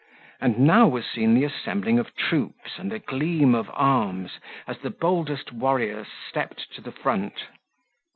And now was seen the assembling of troops and the gleam of arms, as the boldest warriors stepped to the front.